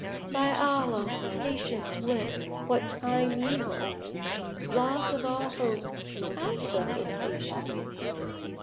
By Allah, Patience went what time ye went! * Loss of all Hope how suffer patiently?